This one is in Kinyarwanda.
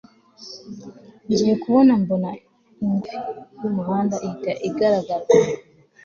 ngiye kubona mbona igonze icyuma cyaraho hafi yumuhanda ihita ihagarara